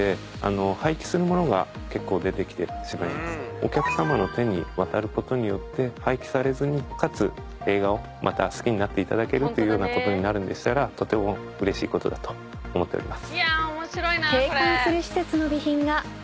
お客さまの手に渡ることによって廃棄されずにかつ映画をまた好きになっていただけるというようなことになるんでしたらとてもうれしいことだと思っております。